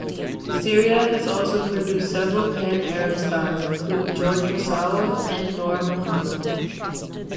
Syria has also produced several pan-Arab stars, including George Wassouf and Nour Mahana.